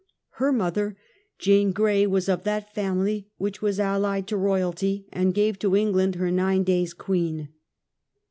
Her mother, Jane Grej, was of that family which was allied to royalty, and gave to England her nine day's queen.